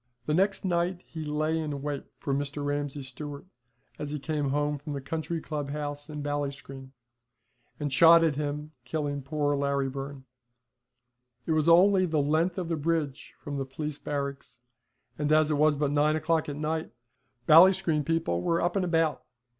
The next night he lay in wait for Mr. Ramsay Stewart as he came home from the county club house in Ballinscreen, and shot at him, killing poor Larry Byrne. It was only the length of the bridge from the police barracks, and as it was but nine o'clock at night, Ballinscreen people were up and about.